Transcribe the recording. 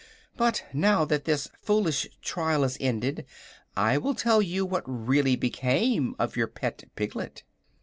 But now that this foolish trial is ended, I will tell you what really became of your pet piglet."